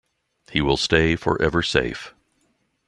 He will stay forever safe.